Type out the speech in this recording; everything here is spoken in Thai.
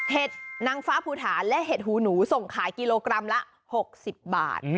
นางฟ้าภูฐานและเห็ดหูหนูส่งขายกิโลกรัมละ๖๐บาท